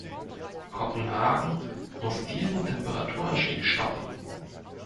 Kopenhagen muss diesen Temperaturanstieg stoppen.